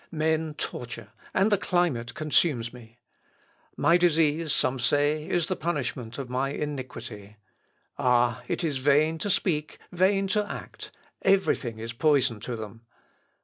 Men torture, and the climate consumes me. My disease, some say, is the punishment of my iniquity. Ah, it is vain to speak, vain to act: every thing is poison to them.